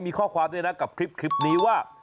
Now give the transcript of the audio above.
มีข้อความด้วยนะกับคลิปนี้ว่า